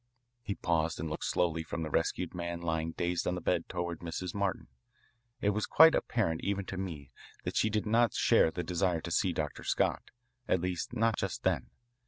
He paused and looked slowly from the rescued man lying dazed on the bed toward Mrs. Martin. It was quite apparent even to me that she did not share the desire to see Dr. Scott, at least not just then.